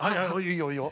いいよいいよ。